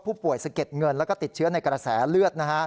ผู้ป่วยสะเก็ดเงินแล้วก็ติดเชื้อในกระแสเลือด